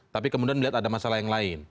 tapi kemudian melihat ada masalah yang lain